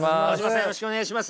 よろしくお願いします。